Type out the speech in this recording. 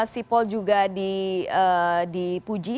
sipol juga dipuji